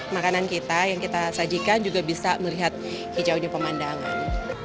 makanan kita yang kita sajikan juga bisa melihat hijaunya pemandangan